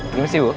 gimana sih bu